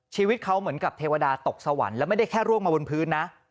ชีวิตเขาเหมือนกับเทวดาตกสวรรค์แล้วไม่ได้แค่ร่วงมาบนพื้นนะ